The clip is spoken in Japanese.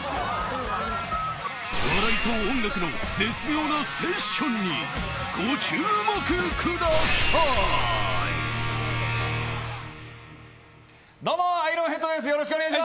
笑いと音楽の絶妙なセッションにご注目ください！